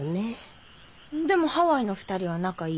でもハワイの２人は仲いいよ。